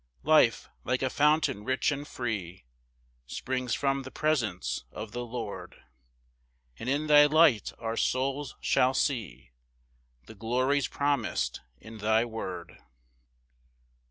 6 Life, like a fountain rich and free Springs from the presence of the Lord; And in thy light our souls shall see The glories promis'd in thy word.